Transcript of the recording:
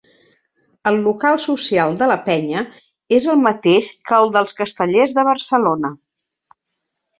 El local social de la penya és el mateix que el dels Castellers de Barcelona.